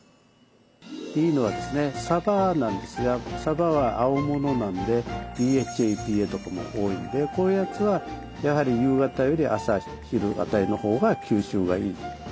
いいのはですねさばなんですがさばは青物なのでＤＨＡＥＰＡとかも多いんでこういうやつはやはり夕方より朝昼辺りのほうが吸収がいい。